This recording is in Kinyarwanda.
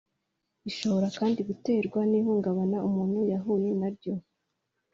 Ishobora kandi guterwa n’ihungabana umuntu yahuye na ryo